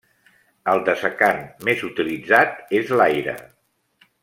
El dessecant més utilitzat és l'aire.